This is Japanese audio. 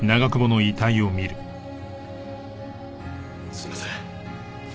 すみません。